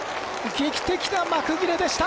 劇的な幕切れでした！